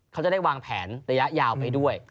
เขาจะได้วางแผนระยะยาวไปด้วย